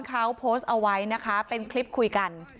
เขาโพสต์เอาไว้นะคะเป็นคลิปคุยกัน